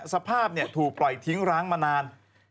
สภาพถูกปล่อยทิ้งร้างมานาน